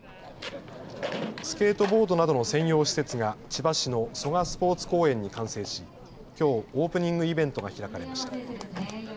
スケートボードなどの専用施設が千葉市の蘇我スポーツ公園に完成しきょうオープニングイベントが開かれました。